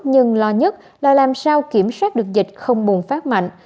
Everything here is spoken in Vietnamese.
nhưng lo nhất là làm sao kiểm soát được dịch không bùng phát mạnh